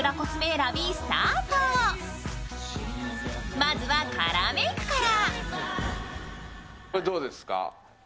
まずは、カラーメークから。